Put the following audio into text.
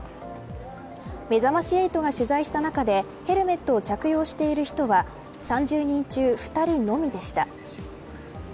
めざまし８が取材した中でヘルメットを着用していた人は３０人中２人のみでした。